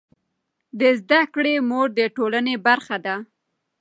د زده کړې مور د ټولنې برخه ده.